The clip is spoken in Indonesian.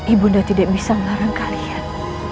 ibunda tidak bisa melarang kalian